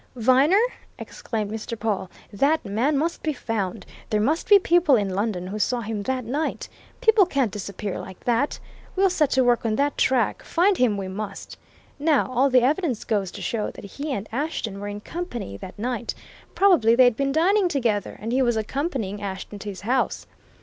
"Viner," exclaimed Mr. Pawle, "that man must be found! There must be people in London who saw him that night. People can't disappear like that. We'll set to work on that track find him we must! Now, all the evidence goes to show that he and Ashton were in company that night probably they'd been dining together, and he was accompanying Ashton to his house.